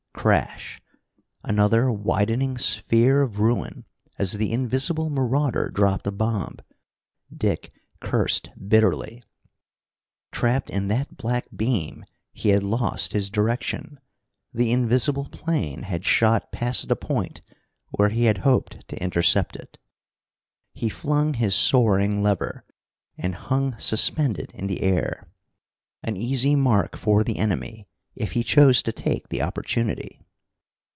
Crash! Another widening sphere of ruin as the invisible marauder dropped a bomb. Dick cursed bitterly. Trapped in that black beam, he had lost his direction. The invisible plane had shot past the point where he had hoped to intercept it. He flung his soaring lever, and hung suspended in the air. An easy mark for the enemy, if he chose to take the opportunity.